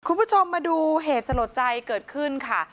คุณผู้ชมมาดูเหตุสลดใจเกิดขึ้นค่ะ